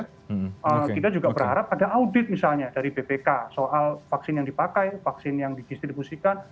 kita juga berharap ada audit misalnya dari bpk soal vaksin yang dipakai vaksin yang didistribusikan